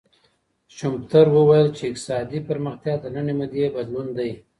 شومپتر وويل چی اقتصادي پرمختيا د لنډې مودې بدلون دی.